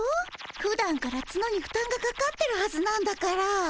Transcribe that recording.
ふだんからツノにふたんがかかってるはずなんだから。